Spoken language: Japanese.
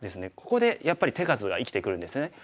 ここでやっぱり手数が生きてくるんですね。